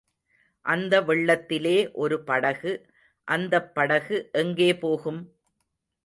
அந்த வெள்ளத்திலே ஒரு படகு, அந்தப் படகு எங்கே போகும்?